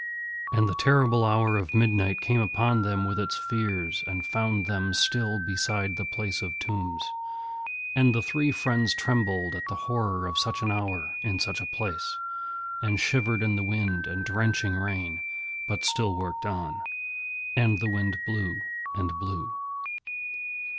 And the terrible hour of midnight came upon them with its fears, and found them still beside the place of tombs. And the three friends trembled at the horror of such an hour in such a place, and shivered in the wind and drenching rain, but still worked on. And the wind blew and blew.